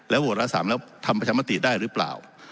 แล้วโหวดวาระ๓แล้วทำประชามาติได้หรือเปล่า